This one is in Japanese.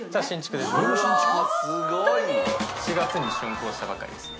４月に竣工したばかりですね。